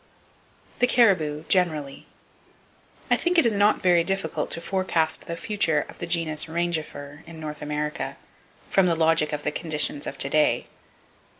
The Caribou, Generally. —I think it is not very difficult to forecast the future of the Genus Rangifer in North America, from the logic of the conditions of to day.